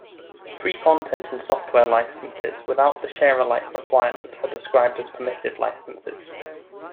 Free content and software licences without the share-alike requirement are described as permissive licences.